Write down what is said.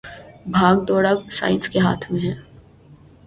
باگ ڈور اب سائنس کے ہاتھ میں ھے